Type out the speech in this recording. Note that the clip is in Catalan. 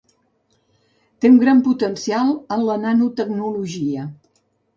Té un gran potencial en la nanotecnologia.